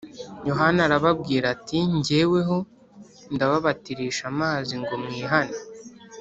Yohana arababwira ati ‘‘Jyeweho ndababatirisha amazi ngo mwihane